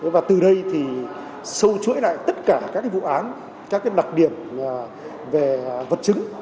và từ đây thì sâu chuỗi lại tất cả các vụ án các đặc điểm về vật chứng